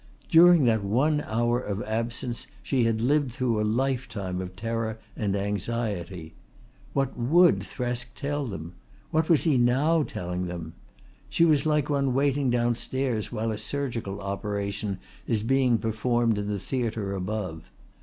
During that one hour of absence she had lived through a lifetime of terror and anxiety. What would Thresk tell them? What was he now telling them? She was like one waiting downstairs while a surgical operation is being performed in the theatre above.